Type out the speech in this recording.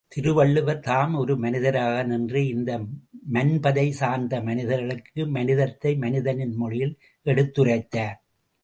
திருவள்ளுவர் தாம் ஒரு மனிதராக நின்றே, இந்த மன்பதை சார்ந்த மனிதர்களுக்கு மனிதத்தை, மனிதனின் மொழியில் எடுத்துரைத்தார்.